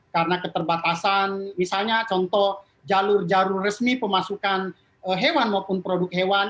karena keterbatasan misalnya contoh jalur jalur resmi pemasukan hewan maupun produk hewan